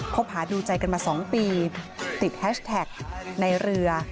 บหาดูใจกันมา๒ปีติดแฮชแท็กในเรือ